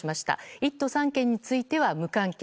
１都３県については無観客。